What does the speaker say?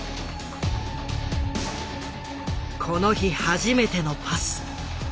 この日初めてのパス。